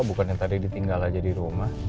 bukannya tadi ditinggal aja di rumah